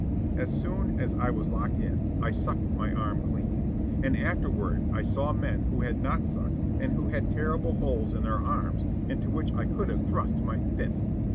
As soon as I was locked in, I sucked my arm clean. And afterward I saw men who had not sucked and who had horrible holes in their arms into which I could have thrust my fist.